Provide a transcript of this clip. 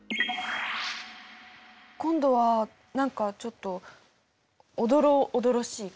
今度は何かちょっとおどろおどろしい感じ。